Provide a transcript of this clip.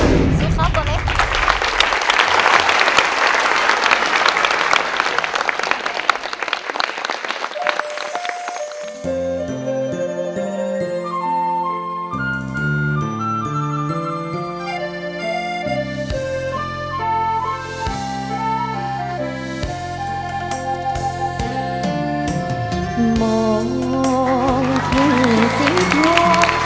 แล้วแกบอกเขาแกมันจะสู้ถึงกับเดียวนะครับ